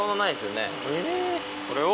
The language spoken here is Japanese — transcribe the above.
これを。